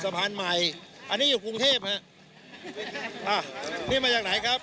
สะพานใหม่อันนี้อยู่กรุงเทพฮะอ่านี่มาจากไหนครับ